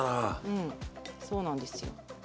うんそうなんですよ。